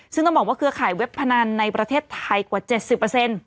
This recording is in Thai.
ซึ่งต้องบอกว่าเครือข่ายเว็บพนันในประเทศไทยกว่า๗๐